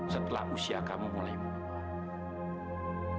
setelah usia kamu mulai berubah